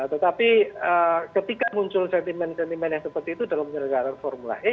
tetapi ketika muncul sentimen sentimen yang seperti itu dalam penyelenggaraan formula e